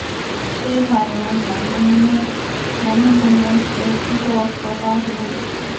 是一款由南梦宫公司制作和发行的游戏。